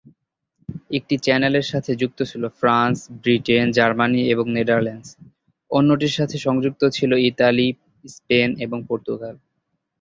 একটি চ্যানেলের সাথে যুক্ত ছিল ফ্রান্স, ব্রিটেন, জার্মানি এবং নেদারল্যান্ডস, অন্যটির সাথে সংযুক্ত ছিল ইতালি, স্পেন এবং পর্তুগাল।